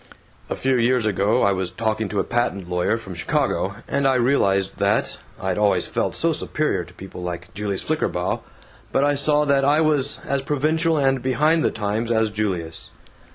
"A few years ago I was talking to a patent lawyer from Chicago, and I realized that I'd always felt so superior to people like Julius Flickerbaugh, but I saw that I was as provincial and behind the times as Julius.